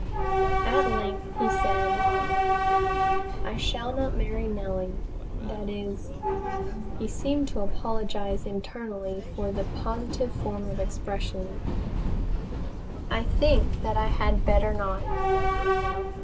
At length he said: "I shall not marry Nellie that is" he seemed to apologize internally for the positive form of expression "I think that I had better not."